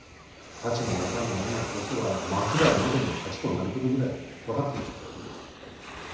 太刀も持たぬ者を殺せば末代までの恥となることぐらい分かっておる。